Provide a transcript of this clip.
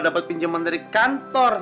dapet pinjaman dari kantor